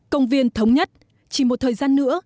công viên thống nhất chỉ một thời gian nữa